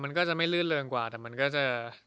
มันก็จะไม่ลื่นเริงกว่าแต่มันก็จะ